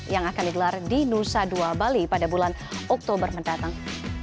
yang akan digelar di nusa dua bali pada bulan oktober mendatang